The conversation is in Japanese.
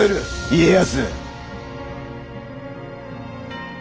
家康。